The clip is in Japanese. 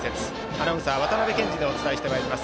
アナウンサー、渡辺憲司でお伝えしております。